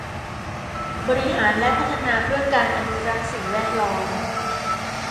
บริหารและพัฒนาเพื่อการอนุรักษ์สิ่งแวดล้อม